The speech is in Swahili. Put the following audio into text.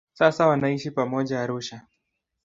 Sasa wanaishi pamoja Arusha.